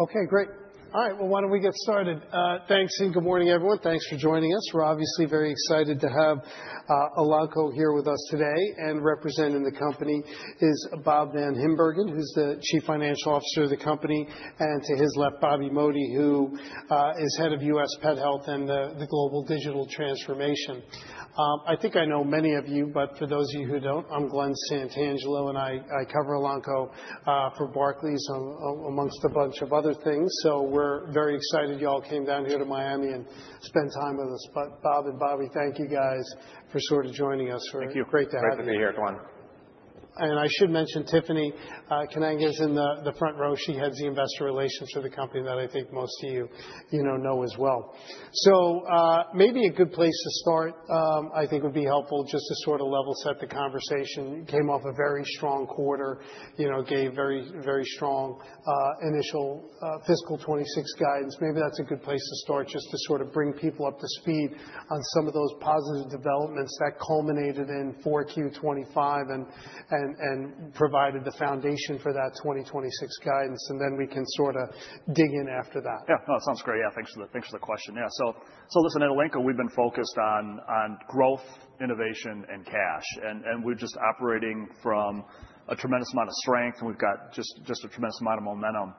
Okay, great. All right, well, why don't we get started? Thanks, and good morning, everyone. Thanks for joining us. We're obviously very excited to have Elanco here with us today, and representing the company is Bob VanHimbergen, who's the Chief Financial Officer of the company, and to his left, Bobby Modi, who is Head of U.S. Pet Health and the Global Digital Transformation. I think I know many of you, but for those of you who don't, I'm Glen Santangelo, and I cover Elanco for Barclays amongst a bunch of other things. We're very excited you all came down here to Miami and spend time with us. Bob and Bobby, thank you guys for sort of joining us. Thank you. Great to have you. Great to be here, Glen. I should mention Tiffany Kanaga is in the front row. She heads the investor relations for the company that I think most of you know as well. Maybe a good place to start, I think would be helpful just to sort of level set the conversation. You came off a very strong quarter, gave very, very strong initial fiscal 2026 guidance. Maybe that's a good place to start, just to sort of bring people up to speed on some of those positive developments that culminated in 4Q25 and provided the foundation for that 2026 guidance. Then we can sorta dig in after that. Yeah. No, it sounds great. Yeah, thanks for the question. Yeah. So listen, at Elanco, we've been focused on growth, innovation, and cash. We're just operating from a tremendous amount of strength, and we've got just a tremendous amount of momentum.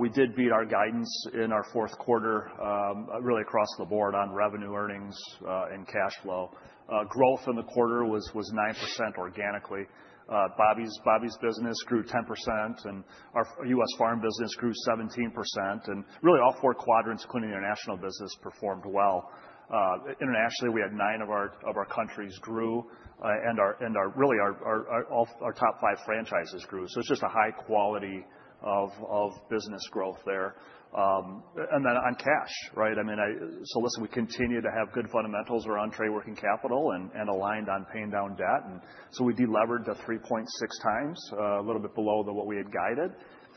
We did beat our guidance in our fourth quarter, really across the board on revenue, earnings, and cash flow. Growth in the quarter was 9% organically. Bobby's business grew 10%, and our U.S. farm business grew 17%. Really, all four quadrants, including the international business, performed well. Internationally, we had nine of our countries grow, and all our top 5 franchises grew. It's just a high quality of business growth there. Then on cash, right? I mean, so listen, we continue to have good fundamentals around trade working capital and aligned on paying down debt. We delivered to 3.6x, a little bit below what we had guided.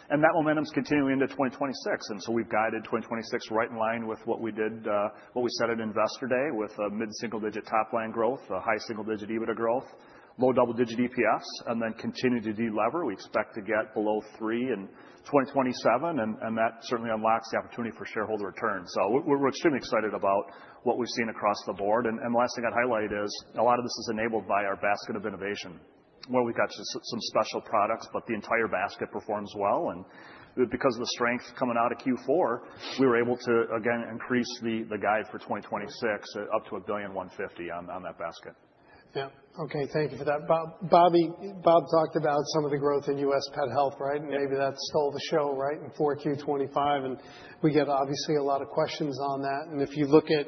That momentum's continuing into 2026, and we've guided 2026 right in line with what we did, what we said at Investor Day with a mid-single-digit top-line growth, a high single-digit EBITDA growth, low double-digit EPS, and then continue to deliver. We expect to get below three in 2027, and that certainly unlocks the opportunity for shareholder return. We're extremely excited about what we've seen across the board. Last thing I'd highlight is a lot of this is enabled by our basket of innovation, where we've got some special products, but the entire basket performs well. Because of the strength coming out of Q4, we were able to, again, increase the guide for 2026 up to $1.15 billion on that basket. Yeah. Okay. Thank you for that. Bob talked about some of the growth in U.S. Pet Health, right? Yeah. Maybe that stole the show, right, in Q4 2025, and we get obviously a lot of questions on that. If you look at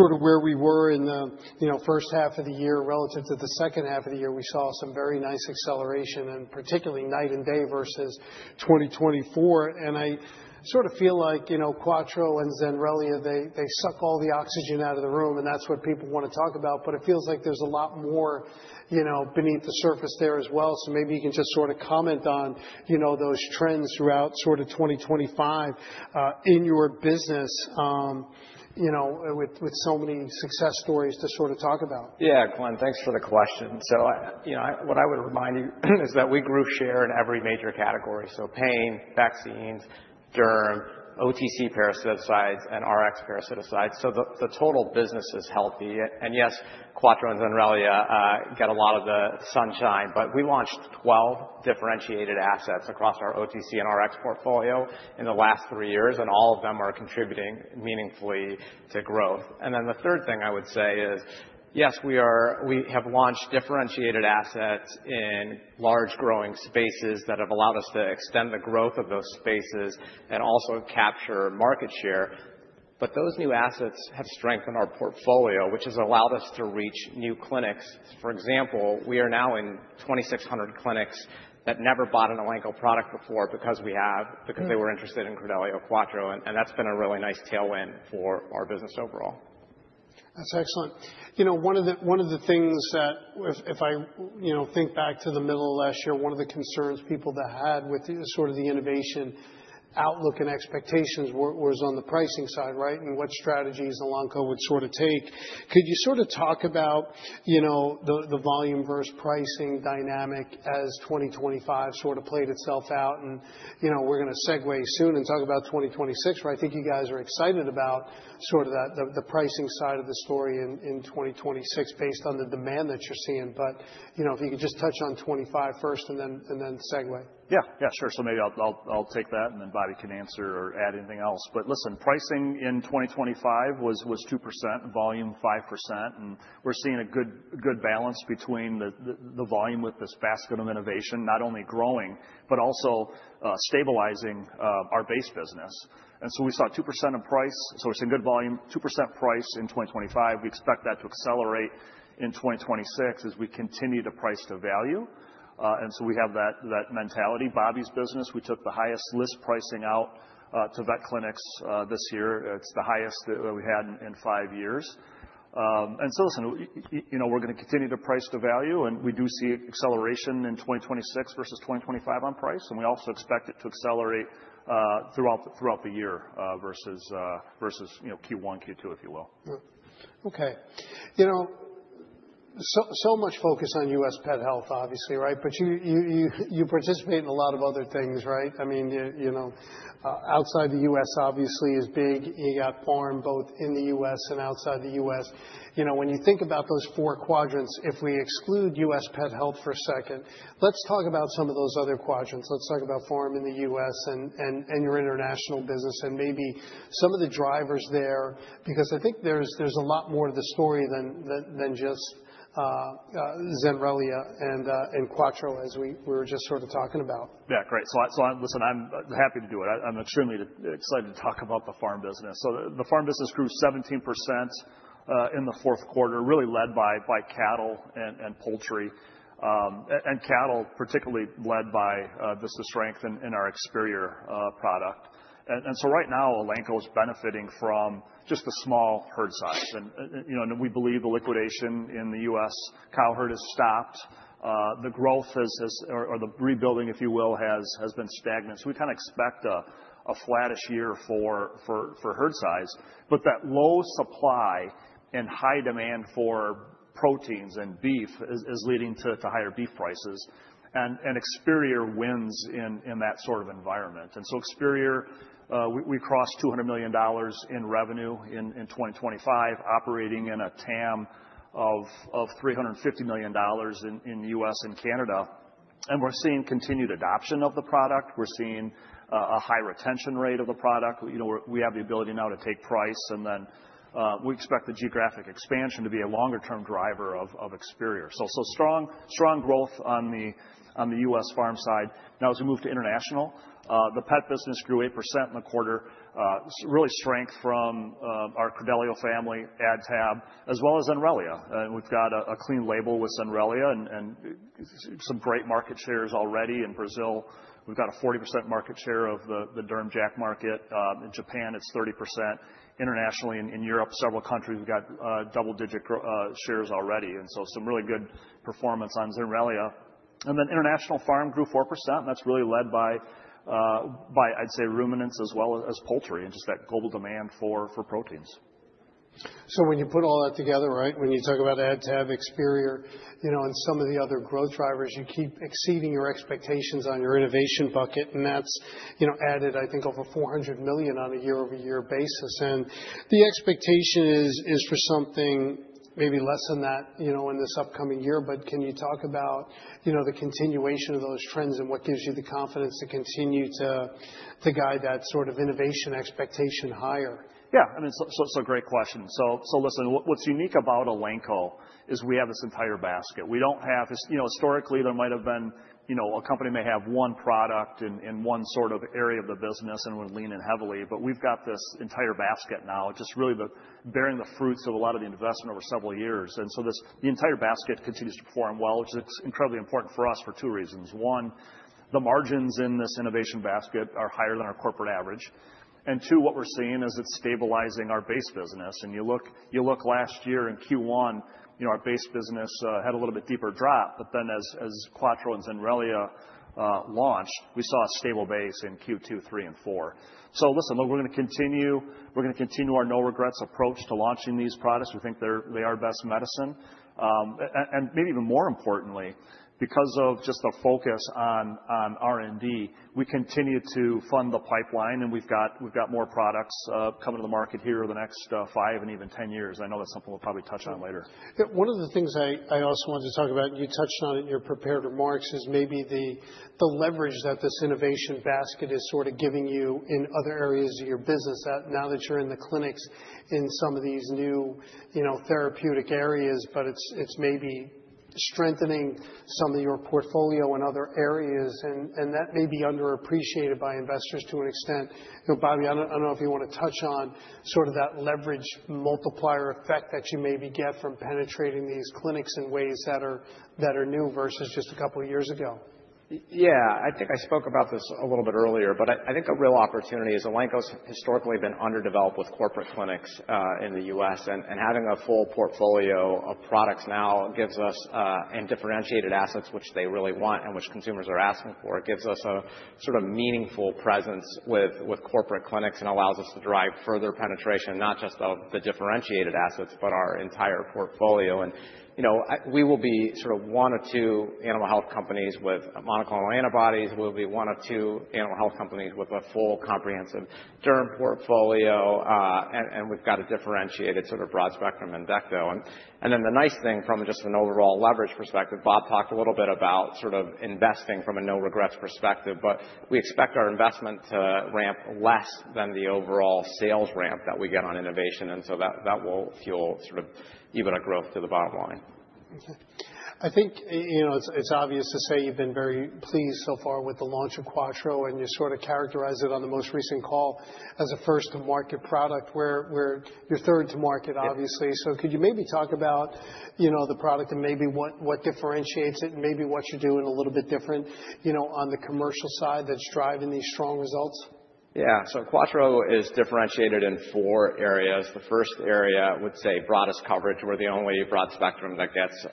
sort of where we were in the, you know, H1 of the year relative to the H2 of the year, we saw some very nice acceleration, and particularly night and day versus 2024. I sort of feel like, you know, Quattro and Zenrelia, they suck all the oxygen out of the room, and that's what people wanna talk about. It feels like there's a lot more, you know, beneath the surface there as well. Maybe you can just sort of comment on, you know, those trends throughout sort of 2025 in your business, you know, with so many success stories to sort of talk about. Yeah, Glen, thanks for the question. I, you know, what I would remind you is that we grew share in every major category, so pain, vaccines, derm, OTC parasiticides, and RX parasiticides. The total business is healthy. Yes, Quattro and Zenrelia get a lot of the sunshine, but we launched 12 differentiated assets across our OTC and RX portfolio in the last three years, and all of them are contributing meaningfully to growth. The third thing I would say is, yes, we have launched differentiated assets in large growing spaces that have allowed us to extend the growth of those spaces and also capture market share. Those new assets have strengthened our portfolio, which has allowed us to reach new clinics. For example, we are now in 2,600 clinics that never bought an Elanco product before because we have. Because they were interested in Credelio Quattro, and that's been a really nice tailwind for our business overall. That's excellent. You know, one of the things that if I, you know, think back to the middle of last year, one of the concerns people that had with the sort of the innovation outlook and expectations was on the pricing side, right? What strategies Elanco would sort of take. Could you sort of talk about, you know, the volume versus pricing dynamic as 2025 sort of played itself out? You know, we're gonna segue soon and talk about 2026, where I think you guys are excited about sort of the pricing side of the story in 2026 based on the demand that you're seeing. You know, if you could just touch on 25 first and then segue. Yeah. Yeah, sure. Maybe I'll take that and then Bobby can answer or add anything else. Listen, pricing in 2025 was 2%, volume 5%, and we're seeing a good balance between the volume with this basket of innovation, not only growing but also stabilizing our base business. We saw 2% of price. We're seeing good volume, 2% price in 2025. We expect that to accelerate in 2026 as we continue to price the value. We have that mentality. Bob's business, we took the highest list pricing out to vet clinics this year. It's the highest that we had in five years. Listen, you know, we're gonna continue to price the value, and we do see acceleration in 2026 versus 2025 on price. We also expect it to accelerate throughout the year versus you know Q1, Q2, if you will. Yeah. Okay. So much focus on U.S. pet health, obviously, right? You participate in a lot of other things, right? I mean, you know, outside the U.S. obviously is big. You got farm both in the U.S. and outside the U.S. You know, when you think about those four quadrants, if we exclude U.S. pet health for a second, let's talk about some of those other quadrants. Let's talk about farm in the U.S. and your international business and maybe some of the drivers there, because I think there's a lot more to the story than just Zenrelia and Quattro as we were just sort of talking about. Yeah. Great. So listen, I'm happy to do it. I'm extremely excited to talk about the farm business. The farm business grew 17% in the fourth quarter, really led by cattle and poultry. Cattle particularly led by just the strength in our Experior product. Right now, Elanco is benefiting from just the small herd size. You know, we believe the liquidation in the U.S. cow herd has stopped. The growth or the rebuilding, if you will, has been stagnant. We kind of expect a flattish year for herd size. But that low supply and high demand for proteins and beef is leading to higher beef prices. Experior wins in that sort of environment. Experior, we crossed $200 million in revenue in 2025, operating in a TAM of $350 million in US and Canada. We're seeing continued adoption of the product. We're seeing a high retention rate of the product. You know, we have the ability now to take price, and then we expect the geographic expansion to be a longer-term driver of Experior. Strong growth on the U.S. farm side. Now as we move to international, the pet business grew 8% in the quarter. Real strength from our Credelio family, AdTab, as well as Zenrelia. We've got a clean label with Zenrelia and some great market shares already in Brazil. We've got a 40% market share of the derm JAK market. In Japan, it's 30%. Internationally in Europe, several countries, we've got double-digit shares already, and so some really good performance on Zenrelia. International farm grew 4%, and that's really led by, I'd say ruminants as well as poultry and just that global demand for proteins. When you put all that together, right? When you talk about AdTab, Experior, you know, and some of the other growth drivers, you keep exceeding your expectations on your innovation bucket, and that's, you know, added I think over $400 million on a year-over-year basis. The expectation is for something maybe less than that, you know, in this upcoming year. Can you talk about, you know, the continuation of those trends and what gives you the confidence to continue to guide that sort of innovation expectation higher? Yeah. I mean, so great question. Listen, what's unique about Elanco is we have this entire basket. We don't have this. You know, historically, there might have been, you know, a company may have one product in one sort of area of the business and would lean in heavily, but we've got this entire basket now, just really bearing the fruits of a lot of the investment over several years. The entire basket continues to perform well, which it's incredibly important for us for two reasons. One, the margins in this innovation basket are higher than our corporate average. Two, what we're seeing is it's stabilizing our base business. You look last year in Q1, you know, our base business had a little bit deeper drop. As Quattro and Zenrelia launched, we saw a stable base in Q2, Q3 and Q4. We're gonna continue our no regrets approach to launching these products. We think they are best medicine. And maybe even more importantly, because of just the focus on R&D, we continue to fund the pipeline, and we've got more products coming to the market here in the next five and even 10 years. I know that's something we'll probably touch on later. Yeah. One of the things I also wanted to talk about, and you touched on it in your prepared remarks, is maybe the leverage that this innovation basket is sort of giving you in other areas of your business that now that you're in the clinics in some of these new, you know, therapeutic areas, but it's maybe strengthening some of your portfolio in other areas, and that may be underappreciated by investors to an extent. You know, Bobby, I don't know if you wanna touch on sort of that leverage multiplier effect that you maybe get from penetrating these clinics in ways that are new versus just a couple of years ago. Yeah. I think I spoke about this a little bit earlier, but I think the real opportunity is Elanco's historically been underdeveloped with corporate clinics in the U.S.. Having a full portfolio of products now gives us and differentiated assets which they really want and which consumers are asking for. It gives us a sort of meaningful presence with corporate clinics and allows us to drive further penetration, not just of the differentiated assets, but our entire portfolio. You know, we will be sort of one of two animal health companies with monoclonal antibodies. We'll be one of two animal health companies with a full comprehensive derm portfolio. We've got a differentiated sort of broad-spectrum endectocide. The nice thing from just an overall leverage perspective, Bob talked a little bit about sort of investing from a no regrets perspective, but we expect our investment to ramp less than the overall sales ramp that we get on innovation, and so that will fuel sort of even a growth to the bottom line. Okay. I think, you know, it's obvious to say you've been very pleased so far with the launch of Quattro, and you sort of characterize it on the most recent call as a first to market product where you're third to market, obviously. Could you maybe talk about, you know, the product and maybe what differentiates it, and maybe what you're doing a little bit different, you know, on the commercial side that's driving these strong results? Yeah. Quattro is differentiated in four areas. The first area, I would say, broadest coverage. We're the only broad spectrum that gets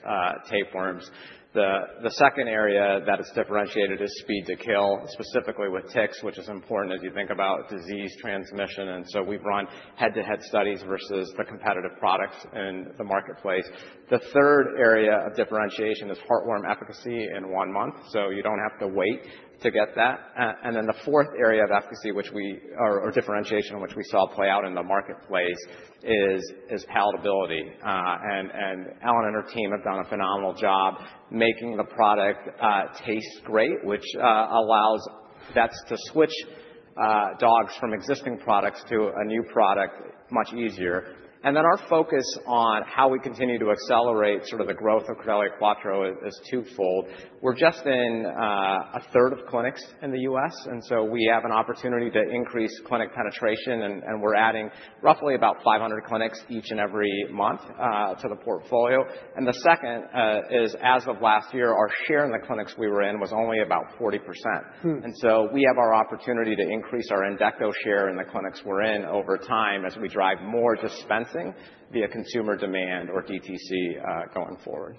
tapeworms. The second area that is differentiated is speed to kill, specifically with ticks, which is important as you think about disease transmission. We've run head-to-head studies versus the competitive products in the marketplace. The third area of differentiation is heartworm efficacy in one month, so you don't have to wait to get that. The fourth area of differentiation, which we saw play out in the marketplace, is palatability. Ellen and her team have done a phenomenal job making the product taste great, which allows vets to switch dogs from existing products to a new product much easier. Then our focus on how we continue to accelerate sort of the growth of Credelio Quattro is twofold. We're just in a third of clinics in the U.S., and so we have an opportunity to increase clinic penetration, and we're adding roughly about 500 clinics each and every month to the portfolio. The second is as of last year, our share in the clinics we were in was only about 40%. We have our opportunity to increase our endo/ecto share in the clinics we're in over time as we drive more dispensing via consumer demand or DTC going forward.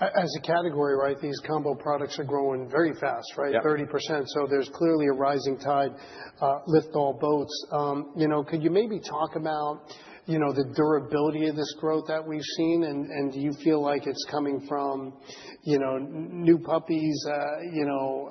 As a category, right, these combo products are growing very fast, right? Yeah. 30%. There's clearly a rising tide, lift all boats. You know, could you maybe talk about, you know, the durability of this growth that we've seen? And do you feel like it's coming from, you know, new puppies? You know,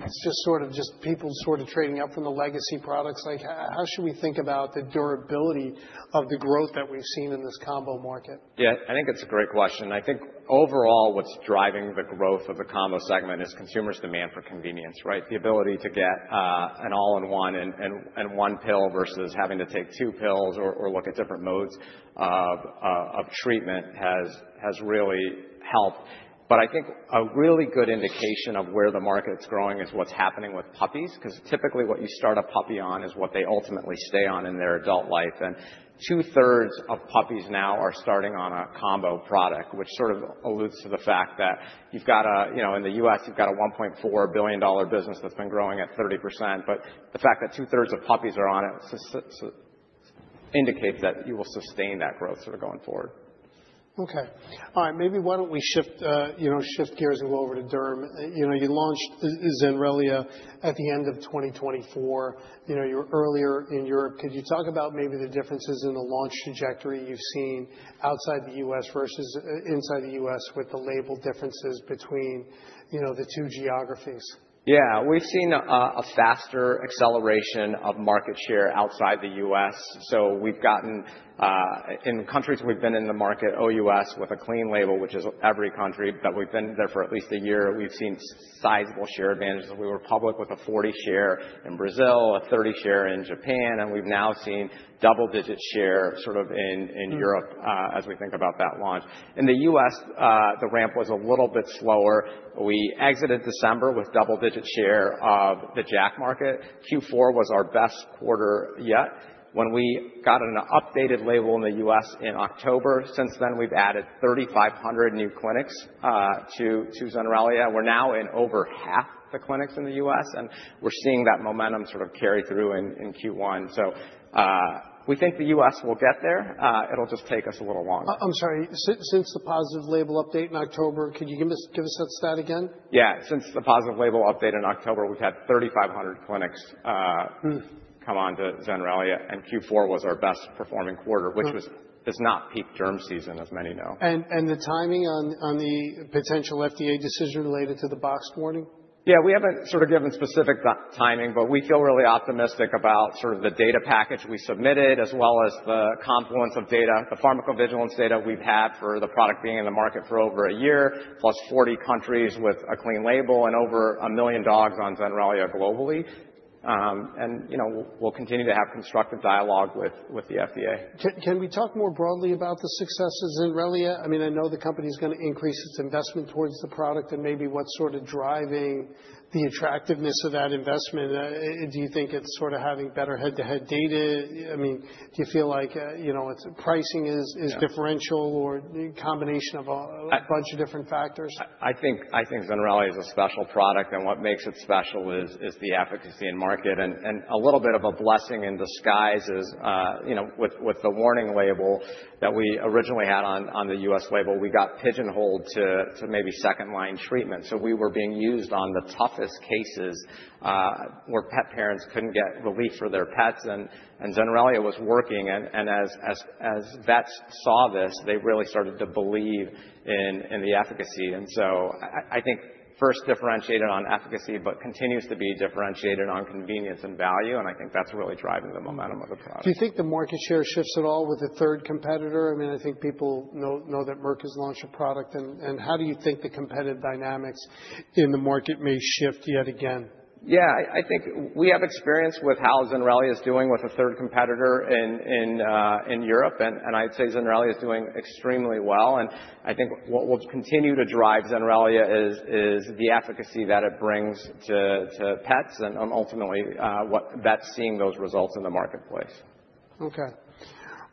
it's just sort of people sort of trading up from the legacy products. Like, how should we think about the durability of the growth that we've seen in this combo market? Yeah, I think it's a great question. I think overall, what's driving the growth of the combo segment is consumers' demand for convenience, right? The ability to get an all-in-one and one pill versus having to take two pills or look at different modes of treatment has really helped. But I think a really good indication of where the market's growing is what's happening with puppies, 'cause typically what you start a puppy on is what they ultimately stay on in their adult life. Two-thirds of puppies now are starting on a combo product, which sort of alludes to the fact that you've got a, you know, in the U.S., you've got a $1.4 billion business that's been growing at 30%. The fact that 2/3 of puppies are on it indicates that you will sustain that growth sort of going forward. Okay. All right. Maybe why don't we shift, you know, shift gears and go over to Derm. You know, you launched Zenrelia at the end of 2024. You know, you launched earlier in Europe. Could you talk about maybe the differences in the launch trajectory you've seen outside the U.S. versus inside the U.S. with the label differences between, you know, the two geographies? Yeah. We've seen a faster acceleration of market share outside the U.S. We've gotten in countries we've been in the market OUS with a clean label, which is every country that we've been there for at least a year, we've seen sizeable share advantages. We were public with a 40% share in Brazil, a 30% share in Japan, and we've now seen double-digit share sort of in Europe. As we think about that launch. In the U.S., the ramp was a little bit slower. We exited December with double-digit share of the JAK market. Q4 was our best quarter yet. When we got an updated label in the U.S. in October, since then, we've added 3,500 new clinics to Zenrelia. We're now in over half the clinics in the U.S., and we're seeing that momentum sort of carry through in Q1. We think the U.S. will get there. It'll just take us a little longer. I'm sorry. Since the positive label update in October, could you give us that stat again? Yeah. Since the positive label update in October, we've had 3,500 clinics. come onto Zenrelia, and Q4 was our best performing quarter. is not peak derm season, as many know. The timing on the potential FDA decision related to the box warning? Yeah, we haven't sort of given specific timing, but we feel really optimistic about sort of the data package we submitted, as well as the confluence of data, the pharmacovigilance data we've had for the product being in the market for over a year, plus 40 countries with a clean label and over 1 million dogs on Zenrelia globally. You know, we'll continue to have constructive dialogue with the FDA. Can we talk more broadly about the success of Zenrelia? I mean, I know the company's gonna increase its investment towards the product and maybe what's sort of driving the attractiveness of that investment. Do you think it's sort of having better head-to-head data? I mean, do you feel like, you know, its pricing is? Yeah. -is differential or combination of a- a bunch of different factors? I think Zenrelia is a special product, and what makes it special is the efficacy in market. A little bit of a blessing in disguise is, you know, with the warning label that we originally had on the U.S. label, we got pigeonholed to maybe second-line treatment. We were being used on the toughest cases, where pet parents couldn't get relief for their pets and Zenrelia was working. As vets saw this, they really started to believe in the efficacy. I think first differentiated on efficacy, but continues to be differentiated on convenience and value, and I think that's really driving the momentum of the product. Do you think the market share shifts at all with the third competitor? I mean, I think people know that Merck has launched a product. How do you think the competitive dynamics in the market may shift yet again? Yeah. I think we have experience with how Zenrelia is doing with a third competitor in Europe. I'd say Zenrelia is doing extremely well. I think what will continue to drive Zenrelia is the efficacy that it brings to pets and ultimately vets seeing those results in the marketplace. Okay.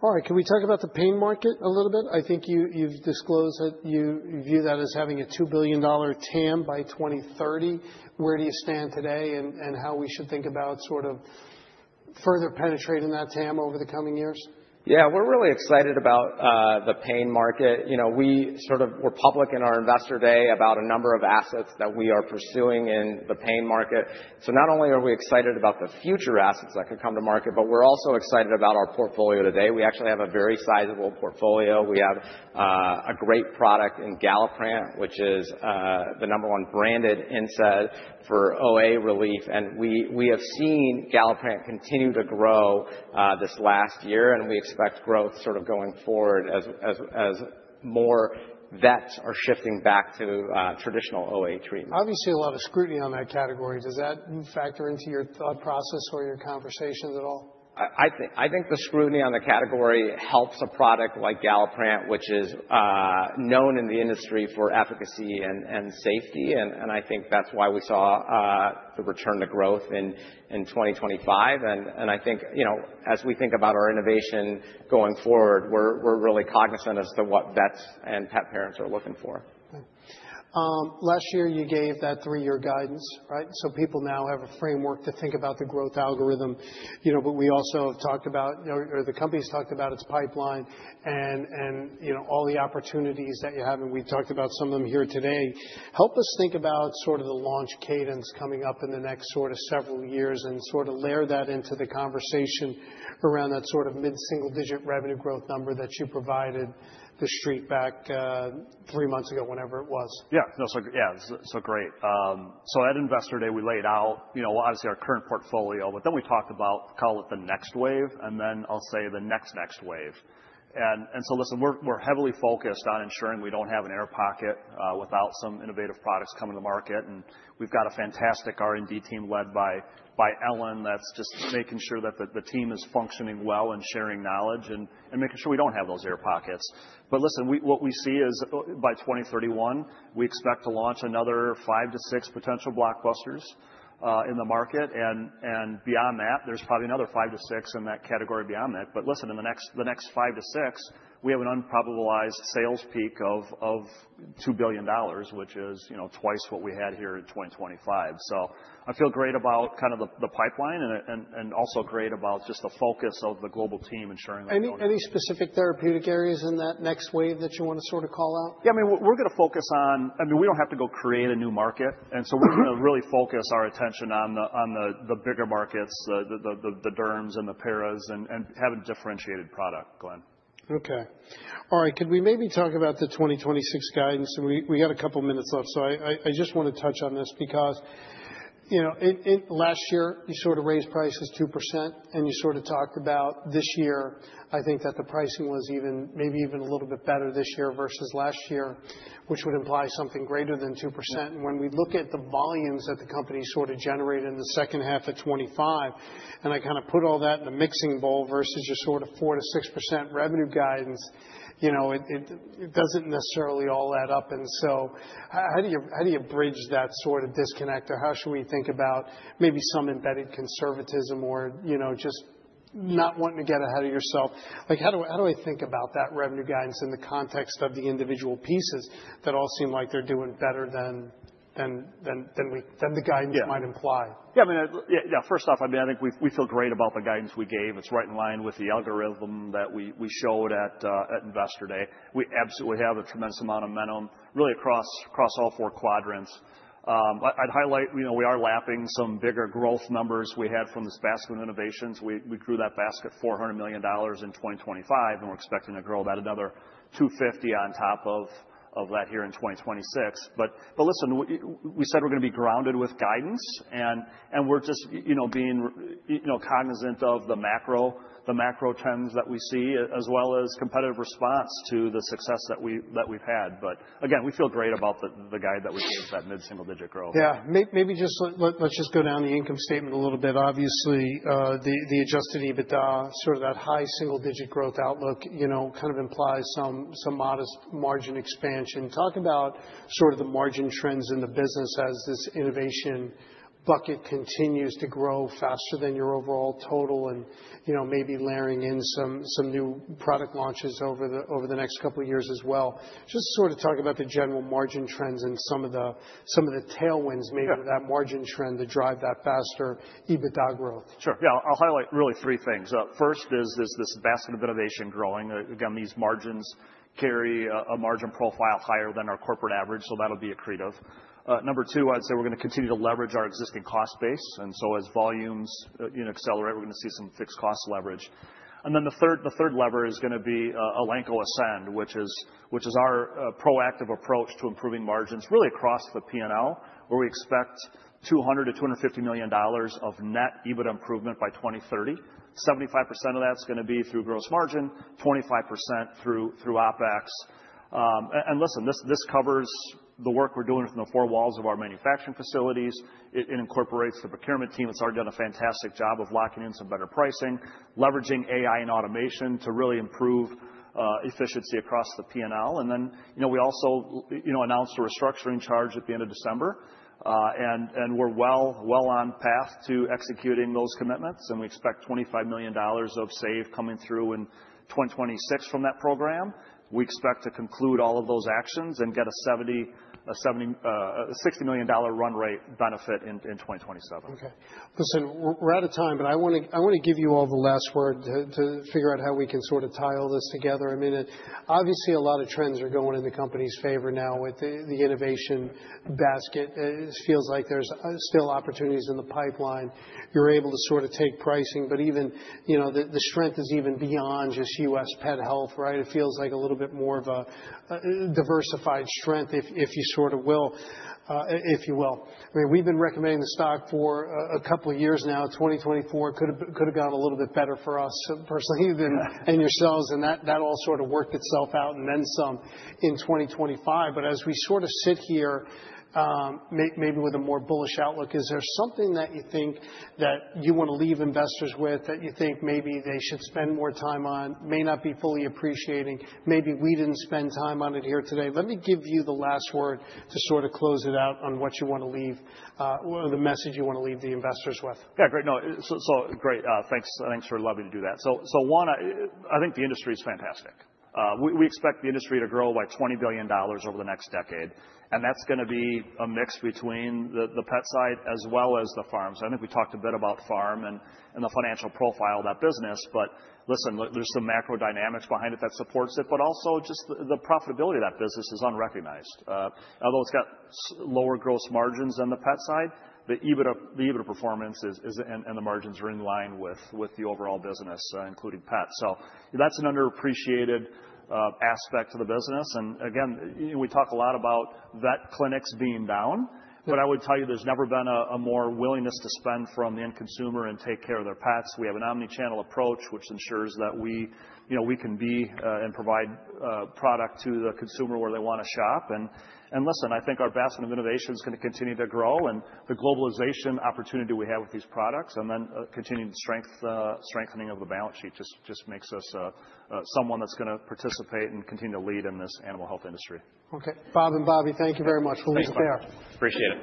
All right. Can we talk about the pain market a little bit? I think you've disclosed that you view that as having a $2 billion TAM by 2030. Where do you stand today and how we should think about sort of further penetrating that TAM over the coming years? Yeah. We're really excited about the pain market. You know, we sort of were public in our investor day about a number of assets that we are pursuing in the pain market. Not only are we excited about the future assets that could come to market, but we're also excited about our portfolio today. We actually have a very sizable portfolio. We have a great product in Galliprant, which is the number one branded NSAID for OA relief, and we have seen Galliprant continue to grow this last year, and we expect growth sort of going forward as more vets are shifting back to traditional OA treatment. Obviously, a lot of scrutiny on that category. Does that factor into your thought process or your conversations at all? I think the scrutiny on the category helps a product like Galliprant, which is known in the industry for efficacy and safety, and I think that's why we saw the return to growth in 2025. I think, you know, as we think about our innovation going forward, we're really cognizant as to what vets and pet parents are looking for. Last year you gave that three-year guidance, right? People now have a framework to think about the growth algorithm, you know, but we also have talked about, you know, or the company's talked about its pipeline and, you know, all the opportunities that you have, and we've talked about some of them here today. Help us think about sort of the launch cadence coming up in the next sort of several years and sort of layer that into the conversation around that sort of mid-single-digit revenue growth number that you provided the Street back, three months ago, whenever it was. Yeah. No, so great. At Investor Day, we laid out, you know, obviously our current portfolio, but then we talked about, call it the next wave, and then I'll say the next next wave. Listen, we're heavily focused on ensuring we don't have an air pocket without some innovative products coming to market, and we've got a fantastic R&D team led by Ellen that's just making sure that the team is functioning well and sharing knowledge and making sure we don't have those air pockets. Listen, what we see is by 2031, we expect to launch another 5-6 potential blockbusters in the market. Beyond that, there's probably another 5-6 in that category beyond that. Listen, in the next 5-6, we have an unparalleled sales peak of $2 billion, which is, you know, twice what we had here in 2025. I feel great about kind of the pipeline and also great about just the focus of the global team ensuring that we don't. Any specific therapeutic areas in that next wave that you wanna sort of call out? I mean, we don't have to go create a new market, and so we're gonna really focus our attention on the bigger markets, the derms and the paras and have a differentiated product, Glen. Okay. All right. Could we maybe talk about the 2026 guidance? We got a couple minutes left, so I just wanna touch on this because, you know, it last year, you sort of raised prices 2% and you sort of talked about this year, I think that the pricing was even, maybe even a little bit better this year versus last year, which would imply something greater than 2%. When we look at the volumes that the company sort of generated in the H2 of 2025, and I kind of put all that in a mixing bowl versus your sort of 4%-6% revenue guidance, you know, it doesn't necessarily all add up. How do you bridge that sort of disconnect? How should we think about maybe some embedded conservatism or, you know, just not wanting to get ahead of yourself? Like, how do I think about that revenue guidance in the context of the individual pieces that all seem like they're doing better than the guidance might imply? Yeah. I mean, yeah, first off, I mean, I think we feel great about the guidance we gave. It's right in line with the algorithm that we showed at Investor Day. We absolutely have a tremendous amount of momentum, really across all four quadrants. I'd highlight, you know, we are lapping some bigger growth numbers we had from this basket of innovations. We grew that basket $400 million in 2025, and we're expecting to grow about another $250 million on top of that here in 2026. Listen, we said we're gonna be grounded with guidance and we're just, you know, being, you know, cognizant of the macro trends that we see, as well as competitive response to the success that we've had. Again, we feel great about the guide that we gave, that mid-single-digit growth. Yeah. Let's just go down the income statement a little bit. Obviously, the Adjusted EBITDA, sort of that high single digit growth outlook, you know, kind of implies some modest margin expansion. Talk about sort of the margin trends in the business as this innovation bucket continues to grow faster than your overall total and, you know, maybe layering in some new product launches over the next couple of years as well. Just sort of talk about the general margin trends and some of the tailwinds maybe to that margin trend to drive that faster EBITDA growth. Sure. Yeah. I'll highlight really three things. First is this basket of innovation growing. Again, these margins carry a margin profile higher than our corporate average, so that'll be accretive. Number two, I'd say we're gonna continue to leverage our existing cost base, and so as volumes, you know, accelerate, we're gonna see some fixed cost leverage. Then the third lever is gonna be Elanco Ascend, which is our proactive approach to improving margins really across the P&L, where we expect $200-$250 million of net EBITDA improvement by 2030. 75% of that's gonna be through gross margin, 25% through OpEx. Listen, this covers the work we're doing from the four walls of our manufacturing facilities. It incorporates the procurement team that's already done a fantastic job of locking in some better pricing, leveraging AI and automation to really improve efficiency across the P&L. Then, you know, we also, you know, announced a restructuring charge at the end of December. We're well on path to executing those commitments, and we expect $25 million of savings coming through in 2026 from that program. We expect to conclude all of those actions and get a $60 million run rate benefit in 2027. Okay. Listen, we're out of time, but I wanna give you all the last word to figure out how we can sort of tie all this together. I mean, obviously a lot of trends are going in the company's favor now with the innovation basket. It feels like there's still opportunities in the pipeline. You're able to sort of take pricing, but even, you know, the strength is even beyond just U.S. pet health, right? It feels like a little bit more of a diversified strength if you sort of will. If you will. I mean, we've been recommending the stock for a couple of years now. 2024 could've gone a little bit better for us personally than and yourselves and that all sort of worked itself out and then some in 2025. As we sort of sit here, maybe with a more bullish outlook, is there something that you think that you wanna leave investors with, that you think maybe they should spend more time on, may not be fully appreciating, maybe we didn't spend time on it here today? Let me give you the last word to sort of close it out on what you wanna leave, or the message you wanna leave the investors with. Yeah, great. No, so great, thanks for allowing me to do that. One, I think the industry is fantastic. We expect the industry to grow by $20 billion over the next decade, and that's gonna be a mix between the pet side as well as the farms. I think we talked a bit about farm and the financial profile of that business. Listen, there's some macro dynamics behind it that supports it, but also just the profitability of that business is unrecognized. Although it's got lower gross margins than the pet side, the EBITDA performance is and the margins are in line with the overall business, including pets. That's an underappreciated aspect to the business. Again, you know, we talk a lot about vet clinics being down. Yeah. I would tell you, there's never been a more willingness to spend from the end consumer and take care of their pets. We have an omni-channel approach which ensures that we, you know, we can be and provide product to the consumer where they wanna shop. Listen, I think our basket of innovation is gonna continue to grow, and the globalization opportunity we have with these products, and then continued strength, strengthening of the balance sheet just makes us someone that's gonna participate and continue to lead in this animal health industry. Okay. Bob and Bobby, thank you very much. We'll leave it there. Thanks, Glen. Appreciate it.